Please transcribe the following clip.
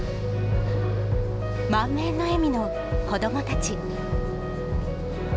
満面の笑みの子どもたち。